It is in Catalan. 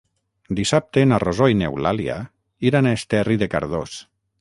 Dissabte na Rosó i n'Eulàlia iran a Esterri de Cardós.